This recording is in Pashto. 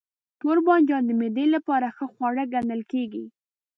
توربانجان د معدې لپاره ښه خواړه ګڼل کېږي.